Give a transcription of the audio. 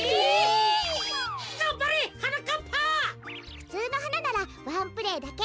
ふつうのはなならワンプレーだけ。